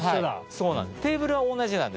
テーブルは同じなんですけど。